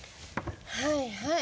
はいはい。